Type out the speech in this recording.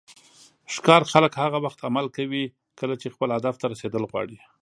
ښکار خلک هغه وخت عمل کوي کله چې خپل هدف ته رسیدل غواړي.